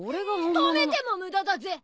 留めても無駄だぜ！